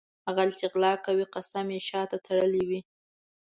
غل چې غلا کوي قسم یې شاته تړلی وي.